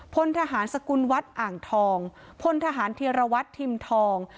พลทหารสกุลวัดอ่างทองพลทหารเทียรวัตรทิมทอง